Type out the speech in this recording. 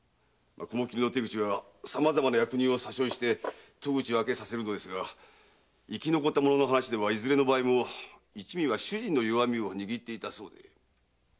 雲切の手口はさまざまな役人を詐称して戸口を開けさせますが生き残った者の話ではいずれの場合も一味は主人の弱みを握っていたそうで。